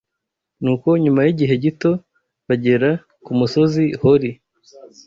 Nuko nyuma y’igihe gito bagera ku Musozi Hori